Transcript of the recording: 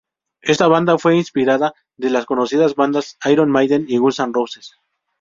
Esta banda fue inspirada de las conocidas bandas Iron Maiden y Guns N' Roses.